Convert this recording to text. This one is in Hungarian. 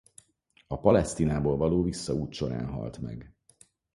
A Palesztinából való visszaút során halt meg.